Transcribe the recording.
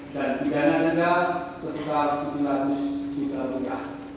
dan pindana denda sebesar tujuh ratus juta rupiah